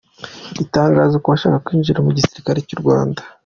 Itangazo ku bashaka kwinjira mu gisirikare cy’u Rwanda.